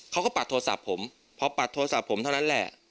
ปัดโทรศัพท์ผมพอปัดโทรศัพท์ผมเท่านั้นแหละ